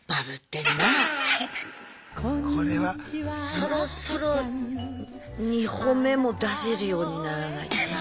そろそろ２歩目も出せるようにならないとな。